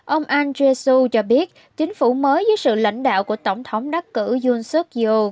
ông ahn jae soo cho biết chính phủ mới dưới sự lãnh đạo của tổng thống đắc cử yoon seok yool